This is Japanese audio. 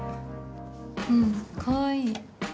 うんかわいい。